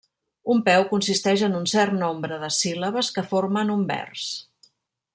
Un peu consisteix en un cert nombre de síl·labes que formen un vers.